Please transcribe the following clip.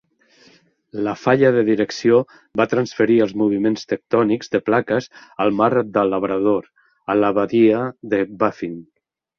La falla de direcció va transferir els moviments tectònics de plaques al mar de Labrador, a la badia de Baffin.